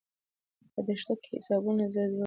په دښته کې حسابونو زه ووژلم.